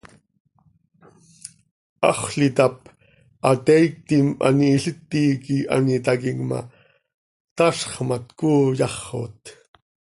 Haxöl itáp, hateiictim an ihiliti quih an itaquim ma, tazx ma, tcooo yaxot.